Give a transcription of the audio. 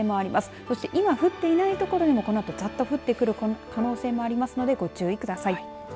そして今降っていない所でもこのあとざっと降ってくる可能性があるのでご注意ください。